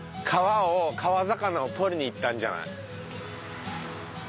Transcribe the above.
川を川魚をとりに行ったんじゃない？